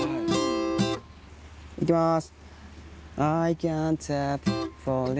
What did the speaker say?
いきます。